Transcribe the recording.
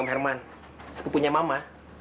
bang herman sepupunya mama